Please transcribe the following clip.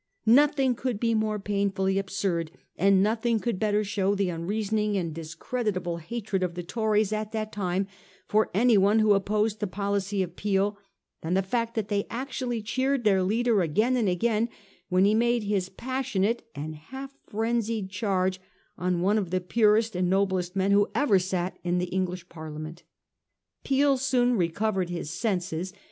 Nothing could be more painfully absurd ; and nothing could better show the unreasoning and discreditable hatred of the Tories at that time for anyone who opposed the policy of Peel than the fact that they actually cheered their leader again and again when he made this passionate and half frenzied charge on one of the purest and noblest men who ever sat in the English Parliament. Peel soon recovered his senses.